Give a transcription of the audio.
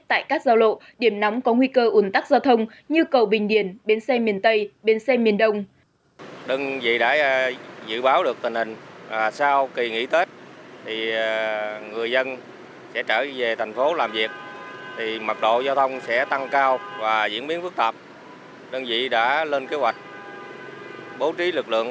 tại các giao lộ điểm nóng có nguy cơ uốn tắc giao thông như cầu bình điển bên xe miền tây bên xe miền đông